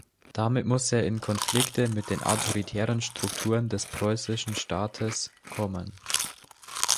Damit musste er in Konflikte mit den autoritären Strukturen des preußischen Staates kommen.